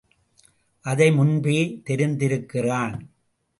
அதை முன்பே தெரிந்திருக்கிறான்.